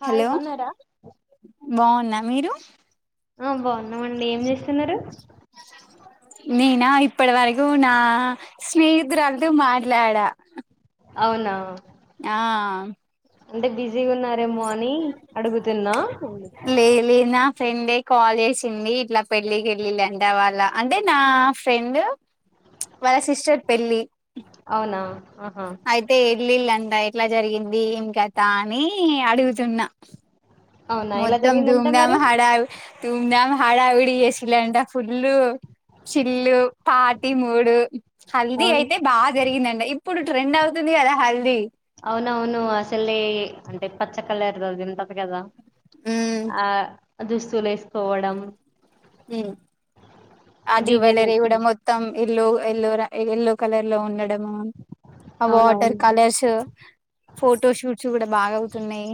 Hi బా ఉన్నారా బాగున్న మీరు ఆ బాగున్నామండి ఏం చేస్తున్నారు నేనా ఇప్పటి వరకు నా స్నేహితురాలతో మాట్లాడా అవునా ఆ అంటే బిజీగా ఉన్నారేమో అని అడుగుతున్నా లే లే నా ఫ్రెండే కాల్ చేసింది ఇట్లా పెళ్ళికెళ్ళిళ అంటే వాళ్ళ అంటే నా ఫ్రెండ్ వాళ్ళ సిస్టర్ పెళ్లి అవునా ఆహా అయితే ఇల్లిల్ం ఎట్లా జరిగింది ఏం కథ అని అడుగుతున్నా అవునా ఇలా మొత్తం జరిగిందంటే ధూంధాం మరి హడా ధూంధాం హడావిడి చేసిళ్ళు అంటా ఫుల్ చిల్లు పాటి మూడు హల్దీ అవును అయితే బాగా జరిగిందండి ఇప్పుడు ట్రెండ్ అవుతుంది కదా హల్దీ అవునవును అసెలే అంటే పచ్చ కల్లరే [unintelligible] కదా ఉమ్ ఆ దుస్తులు వేసుకోవడం హ్మ్ ఆ డిజైన్ జ్యువెలరీ కూడా మొత్తం ఎల్లో ఎల్లోరా ఎయల్లో కలర్ లో ఉండడం మాన్ ఆ వాటర్ అవునవును కలర్స్ ఫోటో షూట్స్ కూడా బాగా అవుతున్నాయి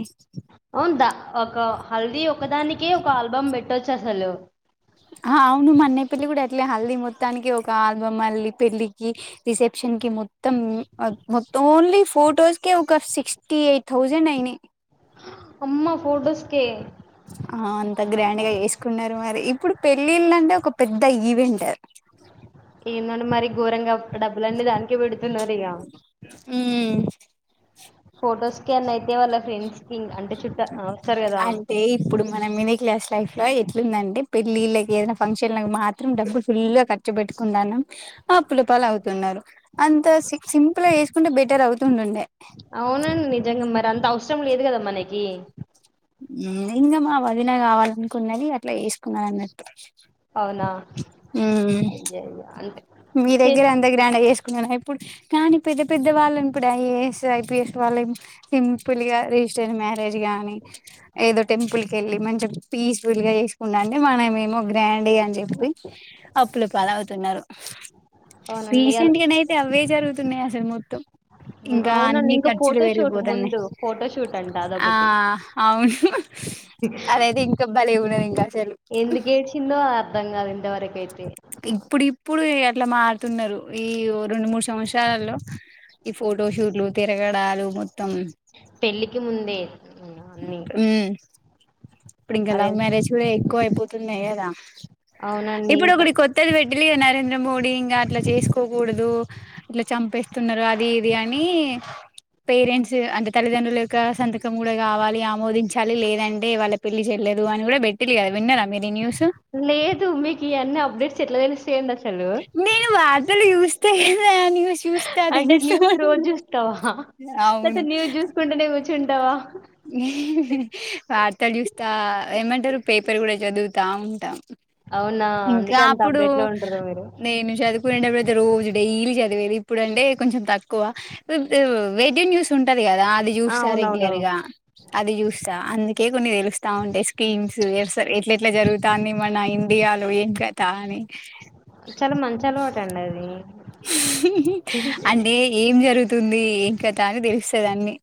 హల్ది ఒకదానికే ఒక ఆల్బమ్ పెట్టొచ్చు అసలు ఆ అవును మా అన్నయ్య పెళ్లి కూడా అట్లే హల్ది మొత్త మొత్తానికి ఒక ఆల్బమ్ మళ్ళీ పెళ్ళికి రిసెప్షన్ కి మొత్తం మొత్తం ఓన్లీ ఫో ఫోటోస్ కే ఒక సిక్స్టీ ఎయిట్ థౌజండ్ అయినై హా అమ్మా ఫోటోస్కే ఆ అంత గ్రాండ్గా చేసుకున్నారు మరి ఇప్పుడు పెళ్ళిళ్ళ అంటే ఒక పెద్ద ఈవెంట్ ఈయన్ నన్ను మరి ఘోరంగా డబ్బులండి దాన్ని పెడుతున్నారు ఇగ ఉమ్ ఫొటోస్ కే అయితే వాళ్ల ఫ్రెండ్స్ కి అంటే చుట్ట వస్తారు కదా అంటే ఇప్పుడు మన మినీ క్లాస్ లైఫ్ ఎట్లుందంటే పెళ్ళిళ్ళకి ఏదైనా ఫంక్షన్ మాత్రం డబ్బులు ఫుల్ గా ఖర్చు పెట్టుకుందన్నా అప్పులపాలు అవుతున్నారు అంత సి సింపుల్ గా వేసుకుంటే బెటర్ అవుతుంటుండే గంత అవసరం లేదు కదా మనకి ఇంకా మా వదిన కావాలనుకున్నది అట్లా వేసుకున్నా అన్నట్టు అవునా హ్మ్ అయ్యయ్యో అంటే మీ చే దగ్గర [unintelligible] చేస్ ఇప్పుడ్ నేన్ ఇప్ కానీ పెద్ద పెద్ద వాళ్ళను కూడా ఐఏఎస్ ఐపీఎస్ వాళ్ళ సింపుల్ గా రేజిస్టర్ అయినా మ్యారేజ్ గానీ ఏదో టెంపుల్ కేళ్ళి మంచి పీస్ఫుల్ గా వేస్కుంటా అంటే మనమేం ఏమో గ్రాండ్ గా అన్ అవి అప్పుల పాలు అవుతున్నారు అవునండి అ రీసెంట్ గానయితే అవే జరుగుతున్నాయి అస్ అంటే మొత్తం ఉమ్, ఇంకా అవునండి అన్ని ఇంకా ఖర్చులు ఫోటోషూట్ పేరిగిపోతున్నాయి ముందు ఫోటోషూట్ అంట ఆ అదొకటి అవును అదైతే ఇంకా భలే గున్నది ఇంకా అసలు అర్ధం కాదు ఇంత వరకైతే ఇప్పుడుప్పుడు అట్లా మారుతున్నారు ఈ రెండు మూడు సంవత్సరలలో ఈ ఫోటో షూట్లు తిరగడాలు మొ పెళ్ళికి ముందే ఉమ్, అన్ని హ్మ్ ఇప్పుడు ఇంకా అదే లవ్ మ్యారేజ్ కూడా ఎక్కువ అయిపోతున్నాయి కదా అవునండి ఇప్పుడు ఇంకా ఒకటీ కొత్తది పెట్టి [unintelligible] నరేంద్ర మోడీ ఇంకా అట్లా చేసుకోకూడదు ఇట్లా చంపేస్తున్నారు అది ఇది అని పేరెంట్స్ అంటే తల్లిదండ్రుల యొక్క సంతకం కూడా కూడా కావాలి ఆమోదించాలి లేదంటే వాళ్ళ పెళ్లి చెయలేదు అని కూడా పెట్టిలి కదా విన్నరా మీరు ఈ న్యూస్ లేదు మీకి ఈ అన్ని అప్డేట్స్ ఎట్లా తెలుస్ నేను వార్తలు చూస్తే న్యూస్ చూస్తా అంటే న్యూస్ రోజు తెలుసా చూస్తావా అవును లేతే న్యూస్ చూసుకుంటేనే కూర్చుంటావా వార్తలు చూస్తా ఏమంటారు పేపర్ కూడా చదువుతా ఉంటాం అవునా ఇంకా అందుకే అంత అప్పుడు అప్డేట్ లో ఉంటారు మీరు నేను చదువుకునేటప్పుడు రోజు డైలీ చదివేది ఇప్పుడు అంటే కొంచెం తక్కువ వేడియో న్యూస్ ఉంటంది కదా అది ఆ చూస్తా అవునవును రెగ్యులర్ గా అది చూస్తా అందుకే కొన్ని తెలుస్తా ఉంటాయి స్కీమ్స్ ఎ ఇట్ ఎట్లా జరుగుతాని మన ఇండియాలో ఏం కథ అని చాలా మంచి అలవాటు అండి అది అంటే ఏం జరుగుతుంది ఏం కథ అని తెలుస్థాద్ అన్ని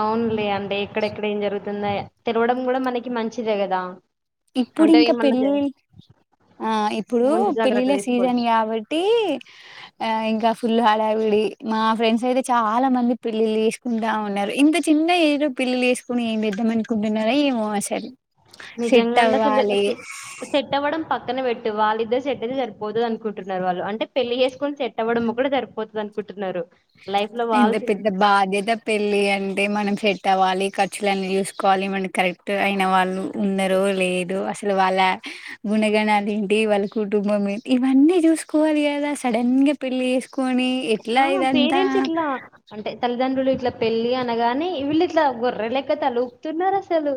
అవునులే అంటే ఎక్కడెక్కడ ఏం జరుగుతుంద తెరవడం కూడా మనకి మంచిదే కదా ఇప్పుడు అంటే ఇంకా ఏమన్నా జ పెళ్ళి ఆ ఇప్పుడూ ముందు జాగ్రత్త పెళ్లిల సీజన్ తీసుకోవచ్చు కాబట్టి ఆ ఇంకా ఫుల్ హడావిడి మా ఫ్రెండ్స్ అయితే చాలా మంది పెళ్లిళ్లు ఏసుకుంటా ఉన్నారు ఇంత చిన్న ఏజు పె. పెళ్లిళ్లు ఏసుకుని ఏం ఏద్దమనుకుంటున్నారో ఏమో అసల్. నిజంగా అండి అసలు సెట్టవడం ప పక్కన వెట్టు వాళ్ళిద్దరు సెట్ అయితే సరిపోతది అనుకుంటున్నారు వాళ్ళు, అంటే పెళ్లి ఏసుకుని సట్ అవ్వడం ఒకటె సరిపోతది అనుకుట్ టున్నారు ఎత పెద్ద బాధ్యత పెళ్లి అంటే మనం సెట్ అవ్వాలి ఖర్చులన్నీ చూసుకోవాలి ఏమన కరెక్ట్ అయిన వాళ్ళు ఉన్నరో లేదో అసలు వాళ్ళ. గుణగణాలు ఏంటి వాళ్ళ కుటుంబం ఏంటి ఇవన్నీ చూసుకోవాలి కదా సడన్ గ పెళ్లి చేస్. కొనీ ఎట్లా ఇదంతా ల అంటే తల్లిదండ్రులు ఇట్లా పెళ్ళి అనగానే వీళ్ళు ఇట్లా గొర్ర లెక తల ఊపుతున్నారు అసలు.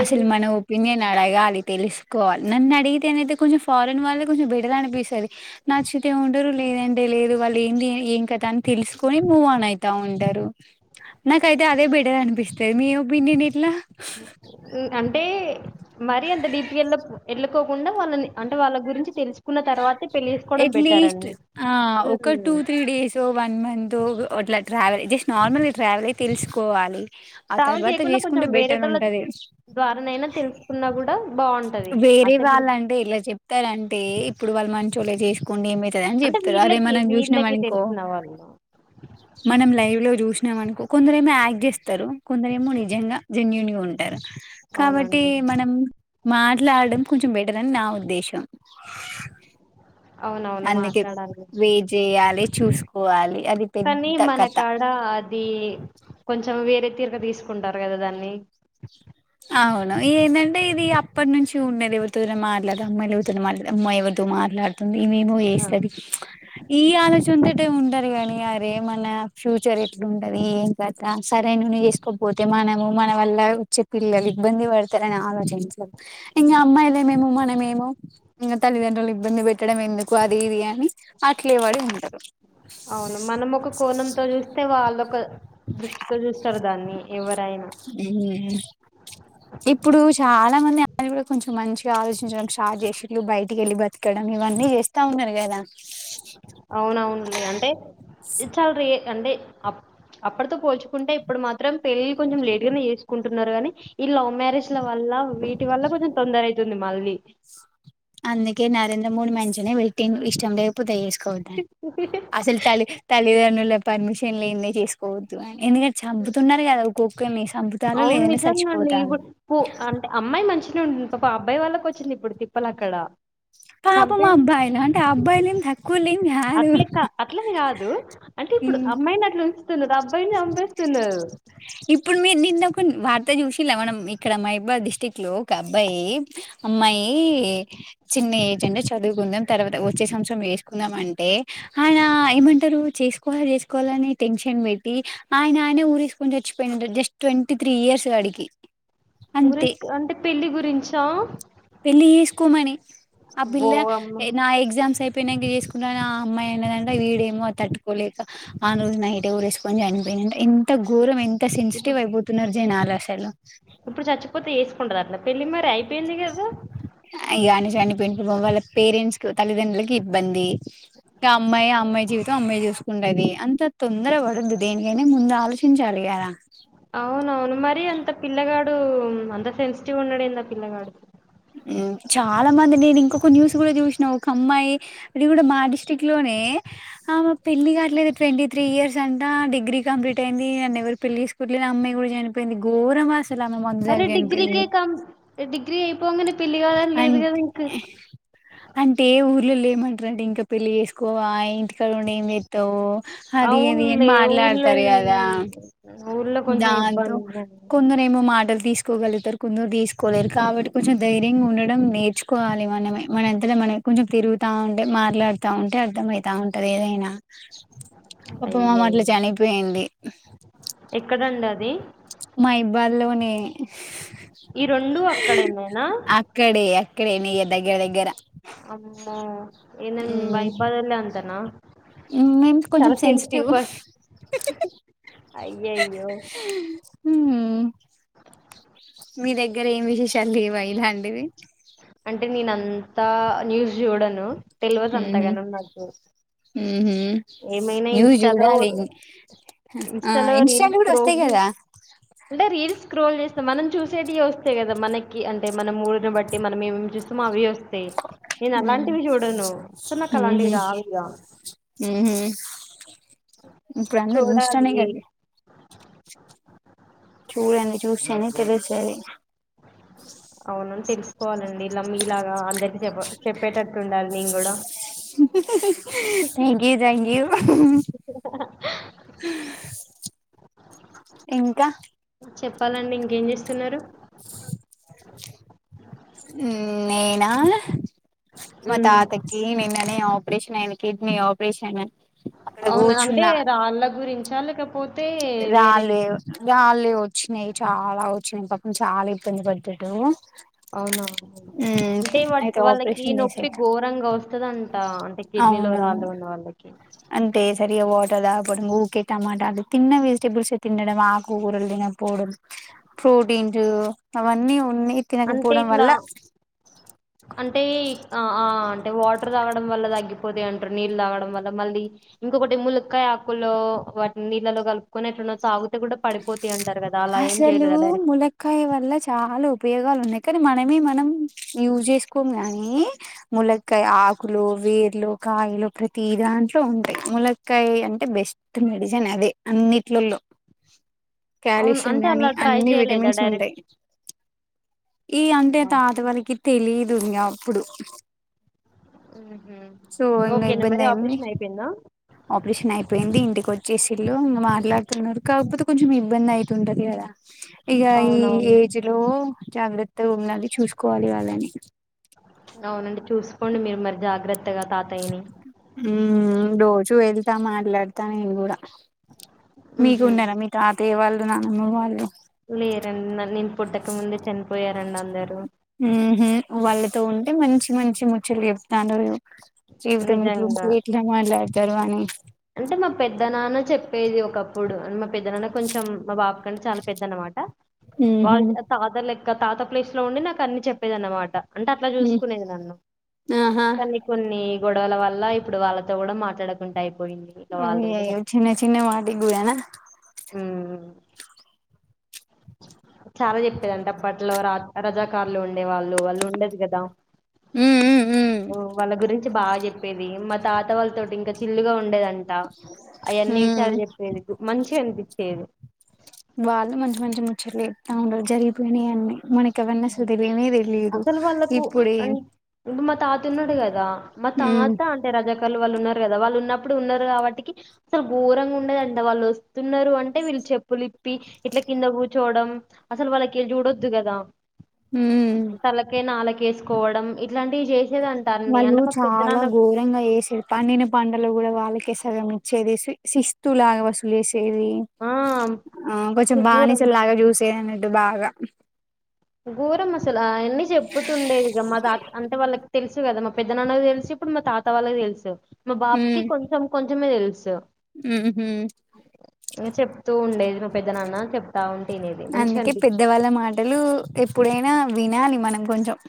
అసలు మన ఒపీనియన్ అడగాలి తెలుసుకోవాలి నన్ను అడిగితే అనయితే కొంచెం ఫారెన్ వాళ్ళే కొంచెం బెటర్ అనిపిస్తది, నచ్చితే ఉంటరు లే. లేదంటే లేదు వాళ్ళు ఏంది ఏం కథా అని తెలుసుకని మూవ్ ఆన్ అయితా ఉంటారు. నాకయితే అదే బెటర్ అనిపిస్తది మీ ఒపీనియన్ ఎట్లా ఉ అంటే మరీ అంత డీప్గా ఎళ్ళ ఎళ్ళకోకుండా వాళ్ళని అంటే వాళ్ళ గురించి. తెలుసుకున్న తర్వాతే పెళ్లి చేసుకోవడం బెటర్ ఎట్లీస్ట్ అండి ఆ ఒక టూ ఉమ్ తీ డేస్ వన్ మంత్. తోగ్ అట్లా ట్రావెలే జస్ట్ నార్మల్ గా ట్రావెలే తెలుసుకోవాలి. ఆ ట్రావెల్ తర్వాత చేయకున్న కొంచెం చేసుకుంటే బెటర్ వేరేటోళ ఉంటది. ద్వారానైనా తెలుసుకున్నా గూడా. వేరే వాళ్ళంటే ఇలా చెప్తారంటే, ఇప్పుడు వాళ్ మంచోలే చేసుకోండి ఏమ. తదన్ అంటే జెప్తరు అదే వీళ్ళకి మనం జూశ్నం వీళ్ళకి అనుకో తెలిసిన వాళ్ళు మనం లైవ్ లో జూసి నామనుకో కొందరేమో యాక్ట్ చేస్తారు, కొందరేమో నిజంగా జెన్యూన్ గా ఉంటరు. కాబట్టీ అవునండి మనం మాట్లాడం కొంచెం బెటరని నా ఉద్దేశం అవునవును అందుకే మాట్లాడాలి వేట్ జేయాలి చూసుకోవాలి అది కానీ పెద్ద మన కథ కాడ అది కొంచెం వేరే తీరుగ తీసుకుంటారు గదా దాన్ని అవును ఏందంటే ఇది అప్పట్నుంచి ఉండేదే ఎవరితోనే మాట్లాదం, అమ్మాయిలు ఎవతోని మాట్లాడదు, అమ్మాయి ఎవరితో మాట్లాడదు. ఈమేమో ఆ ఏస్తది ఈ ఆలోచన టే ఉంటది గానీ అరే మన ఫ్యూచర్ ఎట్లుంటది, ఏం కథ, సరే నూనె చేసుకోపోతే మ. మనము మన వల్ల చె పిల్లలు ఇబ్బంది వడతరని ఆలోచించలే, ఇంగా అమ్మాయిలమేమో మనమేమో ఇంగ తల్లిగా. [unintelligible] ఇబ్బంది వెట్టడం ఎందుకు అది ఇది అని అట్లే వాడి ఉంటరు అవును మనం ఒక కోణంతో చూస్తే వాళ్ళొక దృష్టితో చూస్తారు దాన్ని ఎవరైనా ఇప్పుడూ చాలా మంది [inaudible] కూడా కొంచెం మంచిగా ఆలోచించడం షార్ట్ చేసిల్లు, బయటికెళ్ళి బతకడం ఇవన్నీ చేస్తా ఉన్నారు గదా. అవునవునులే అంటే అంటే అప్పడితో పోల్చుకుంటే ఇప్పుడు మాత్రం పెళ్ళిల్ కొంచెం లేటు గానే చేసుకుంటున్నారు గాని ఈ లవ్ మ్యారేజ్ల వల్ల వీటి వల్ల కొంచెం తొందర అయితుంది మళ్ళీ. అందుకే నరేంద్ర మోడి మంచిగనే వెట్టిండు ఇష్టం లేపోతే యేసు. అసల్ తల్లి తల్లిదండ్రులే పర్మిషన్ లేందే చేసుకోవద్దు ఎందుగ చంపుతున్నారు గదా ఒక్కోక్కొల్ని అవును నిజంగా అండి ఇపు పు అంటే అమ్మాయి మంచిన ఉన్ ఒక అబ్బాయి వాళ్ళకి వచ్చింది ఇప్పుడు తిప్పలు అక్కడ పాపం అబ్బాయిలు అంటే అబ్బాయిలేం తక్కువలేం కాదు అట్లేకా అట్లని గాదు అంటే ఇప్పుడు ఉమ్, అమ్మాయిని అట్ల ఉంచుతున్నరా అబ్. ఇప్పుడు మీరు నిన్న పన్ వార్త చూసిల్లా మనం ఇక్కడ మైబా డిస్టిక్ లో ఒక అబ్బాయి అమ్మాయీ. చిన్న ఏజెనే చదువుకుందాం తర్వాత వచ్చే సంవత్సరం వేసుకుందాం అంటే ఆయన ఏమంటారు నువ్వు చేసుకోవాలి చేసుకోవాలని టెన్షన్ పె ట్టి ఆయనానే ఊరి వేసుకొని చచ్చిపోయిడు జస్ట్ ట్వంటీ త్రీ ఇయర్స్ వాడికి ఊరి అంటే పెళ్ళి గురించ పెళ్ళి చేసుకోమని ఆ ఓ పిల్ల అమ్మ! నా ఎగ్జామ్స్ అయిపో నంక చేసుకుంట అని ఆ అమ్మాయిన్నదంటే వీడేమో అది తట్టు కోలేక ఆ రోజు నైట్ ఎ ఉరివేసుకొని చనిపోయినంట ఎంత ఘోరం ఇంత సెన్సిటివ్ అయిపోతున్నారు జనాలు అసలు ఇప్పుడు చచ్చిపోతే చేసుకుంటదంటనా పెళ్లి మరి అయిపోయింది కదా ఇగ ఆయన చనిపోయిండు వాళ్ళ పేరెంట్స్ తల్లిదండ్రులకి ఇబ్బంది ఇక అమ్మాయి ఆ అమ్మాయి జీవితం అమ్మాయి చూసుకుంటది అంత తొందర పడదు దేనికైనే ముందు ఆలోచించాలిగదా అవునవును మరి అంత పిల్లగాడు అంత సెన్సిటివ్ ఉన్నడెండి ఆ పిల్లగాడు హు చాలా మంది నేను ఇంకొక న్యూస్ కూడా చూసినా ఒక అమ్మాయి అది కూడా మా డిస్టిక్ లోనే ఏ ఆమ పెళ్లి కాట్లేదు ట్వంటీ త్రీ ఇయర్స్ అంటా డిగ్రీ కంప్లీట్ అయింది నన్ను ఎవరు పెళ్లి చే కొట్లేదు ఆ అమ్మాయి కూడా చనిపోయింది గోరం అసలు అమె అరే మందుతాగి చనిపోయింది డిగ్రీకే కం డిగ్రీ అయిపోగానే పెళ్లి కాదని లేదు కదా అంటే ఇంక. అంటే ఏ ఊ ర్లోళ్ళు ఏమంటరంటే ఇంకా పెళ్ళి చేసుకోవ ఇంటికాడ ఉండి ఏంచేస్తావ్ అది అది అని అవునులే మాట్లాడుతరు ఊళ్ళల్ కదా ఊళ్ళో కొంచెం దాంతో ఇబ్బంది కొందరేమో మాటలు తీసుకు తీసుకోగలుగుతారు కొందరు తీసుకోలేరు కాబట్టి కొంచం దై ర్యం ఉండడం నేర్చుకోవాలి మనమే మన ఎంత మనం కొంచెం తిరుగుతా ఉంటే మాట్లాడుతూ ఉంటే అర్థమయింది తా ఉంటది ఏదైనా పాపం ఆమె అయ్యయ్యో! అట్ల చనిపోయింది ఎక్కడండి అది? మైబాద్ లోనే [unintelligible] రెండు అక్కడేనేనా? అక్కడే అక్కడే నియర్ దగ్గర దగ్గర అమ్మో [unintelligible] మీ మైబాద్ లోలే అంతనా మీమ్ కొంచం సెన్సిటివ్ ఏఐయో మీ దగ్గర ఏం విశేషాలు లేవ ఇలాంటివి అంటే నేనంతా న్యూస్ చూడను తెలవదు ఉహు అంతగనం నాకు ఉహు ఏమైనా న్యూస్ ఇన్స్టాలో చూడాలి ఆ ఇన్స్టలో రీల్స్ ఇన్స్టాలో కూడా స్క్రోల్ వస్తాయి కదా చేస్తుంటే అంటే రీల్స్ స్క్రోల్ చేస్తాం మనం చూసేవి వస్తే కదా మనకి అంటే మనం ఊరిని బట్టి మనం ఏమ్ చూస్తామో అవి వస్తా య్ నేను అలాంటివి చూడను అసలు నాకు అలాంటివి ఉహు రావు ఇగా ఉహు ఇప్పుడు అందరూ ఇంస్టానే చూడాలి కదా [unintelligible] చూస్తేనే తెలుస్తది అవును తెలుసుకోవాలండి ఇలా మీలాగా అందరికి చెప్ప చెప్పేటట్టు ఉండాలి నేను కూడా థ్యాంక్ యూ తథ్యాంక్ యూ ఇంకా చెప్పాలండి ఇంకేం చేస్తున్నారు ఊ నేనా మా ఉమ్ తాత కి నిన్ననే ఆపరేషన్ అయింది కిడ్నీ ఆపరేషన్ అక్కడ అవునా అంటే రాళ్ళ గురించా లేకపోతే వేరే రాళ్లే రాళ్లే వచిన్నాయి చాలా వచ్చినయ్ పాపం చాలా ఇబ్బంది పడ్డడు అవునా అంటే అయితే వాళ్ళకి ఆపరేషన్ నొప్పి చేసేది ఘోరంగా వస్తు స్తదంట అంటే కిడ్నీలో రాళ్ళు అవునవును ఉన్న వాళ్ళకి [unintelligible] పోవడం ఊకే టమాటాలు తన్న వెజిటేబుల్స్ తినడం ఆకుకూరలు తినకపోవడం ప్రోటీన్లు అవన్నీ ఉన్నయ్ అంటే తినకపోవడం ఇట్లా వల్ల అంటే అ అంటే వాటర్ తాగడం వల్ల తగ్గింది పోద్ది అంటారు నీళ్ళు తాగడం వల్ల మళ్ళీ ఇంకొకటి ములక్కాయ ఆకుల్లో వాటి నీళ్ళలో కలుపుకునే పమనా తాగుతే కూడ పడిపోతు అసలు ములక్కాయ వల్ల చాల ఉపయోగాలు మునక్కాయని మనమె మనం యూజ్ చేస్కోము కాని ములక్కాయ ఆకులు వేర్లు కాయలు ప్రతి దాంట్లో ఉంటాయి ములక్కాయ అంటే బెస్ట్ మెడి సెన్ అది అన్నిట్లో టుల్లో అవును కాల్షియం అంటే గానీ అలా ట్రై అన్ని చేయలేదా విటమిన్స్ ఉంటాయి డైరెక్ట్ ఈ అంటే తాత వాల్లకి తెలీదు ఇంకా అప్పుడు సో ఇంగ ఓకేన మరి ఇబ్బంది అయింది ఆపరేషన్ అయిపోయిందా ఆపరేషన్ అయిపోయింది ఇంటికి వచ్ చ్చేసిర్ళు మాట్లాడుతున్నారు కాకపోతే కొంచెం ఇబ్బంది అయితుంటది కదా ఇక ఈ అవునవును ఏజ్ లో జాగ్రత్గా ఉండాలి చూసుకోవాలి వాళ్ళని అవునండి చూసుకోండి మీరు మరి జాగ్రత్తగా తాతయ్యని మ్ రోజు వెళ్తా మాట్లాడతా నేను కూడ ఊహూ మీకుండరా మీ తాతయ్య వాళ్ళు నానమ్మ వాళ్ళు లేరండి నన్ నేను పుట్టక ముందే చని ఊహు వాళ్ళ తో ఉంటే మంచి మంచి ముచ్చట్లు చెప్తాన్రు జీవితం నిజంగా ఎట్లుంటది ఎట్లా మాట్లా డ్తరు అని అంటే మా పెద్ద నాన్న చెప్పేది ఒకప్పుడు మా పెద్దనన్నా కొంచెం మా బాబు కంటే చాల పెద్ద అన్నమాట మ్మ్ వాళ్ళ ఫాదర్ ల ఇక తాత ప్లేస్ లో ఉండి నాకు అన్ని చెప్పేది అన్నమాట అంటే అట్లా హు చూసుకునేది నన్ను ఆహా కానీ కొన్ని గొడవల వల్ల ఇప్పుడు వాళ్ళతో కూడ మాట్లాడుకుంటాయి అయ్యో చిన్న చిన్న వాటిక్ గూడాన చాల చెప్పేదంట అప్పట్లో రాజ రజాకారులు ఉండేవాళ్ళు వాళ్ళు ఉండదు కదా ఉమ్ ఉమ్ ఉమ్ వాళ్ళ గురించి బాగా చెప్పేది మా తాత వాళ్ళతోోటి ఇంకా చిల్గా ఉండేదండి అంట అయన్నిీ ఉమ్ విషయాల్ చెప్పేది మంచిగా అనిపించేది వాళ్ళు మంచి మంచి ముచ్చట చెప్తా ఉండరు జరిగిపోయివన్నీ మనకి అవన్ని అసల్ తెలీనె తెలీదు అసలు ఇప్పుడేం స్తున్నాడు కదా మ తాత అంటే రజాకలు వాల్లు ఉన్నారు కదా వాళ్ళు ఉన్నప్పుడు ఉన్నారు కాబట్కి అసలు ఘోరంగా ఉండేదంట వాళ్ళు వస్తున్నారు అంటే వీళ్ చెప్పులు విప్ ప్పి ఇట్ల కింద కూర్చోవడం అసలు వాళ్ళకి చూడొద్దు కదా ఉమ్ తలకే నాలకేసుకోవడం ఇట్లాంటివి చేసి వాళ్ళు చాల ఘోరంగ చేసిరు పండిన పంటలు కూడ వాళ్ళకే ఇస్ కద మిచ్చేేసి శిస్తులాగ వసూలు చేసి తెవి ఆ ఆ కొంచెం అసలు ఘోరం బానేసల్లాగ చూసేదిన్నట్టు బాగా ఘోరం అసలు అ యన్నిీ చెప్పుతుండేదిగా మా తాత అంటే వాళ్ళకి తెలుసు కదా పెద్ద నాన్నకి తెల్సి ఇప్పుడు మా తాత వాళ్ళకి తెలుసు మా బాబుకి కొంచెం కొంచమే తెలుసు ఊహు చెప్తూ ఉండేది మా పెద్ద నాన్న చెప్తా ఉం అందుకే పెద్దవాళ్ళ మాటలు ఎప్పుడైన వినాలి మనం కొంచెం